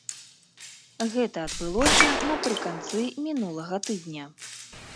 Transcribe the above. Гэта адбылося напрыканцы мінулага тыдня.